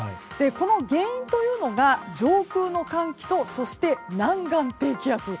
この原因というのが上空の寒気と南岸低気圧。